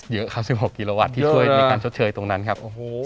เยอะครับ๑๖กิโลวัตต์ที่ช่วยในการชดเชยตรงนั้นครับ